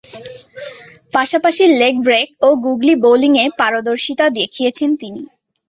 পাশাপাশি leg break ও googly বোলিংয়ে পারদর্শিতা দেখিয়েছেন তিনি।